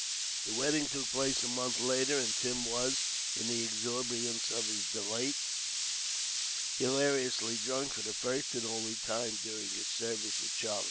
The weddings took place a month later; and Tim was, in the exuberance of his delight, hilariously drunk for the first and only time during his service with Charlie.